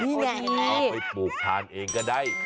เอาไปปลูกทานเองก็ได้